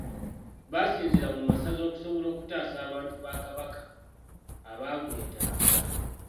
Basinziira mu masaza okusobola okutaasa abantu ba Kabaka abagwetaaga.